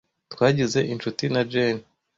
Twagize inshuti na Jane.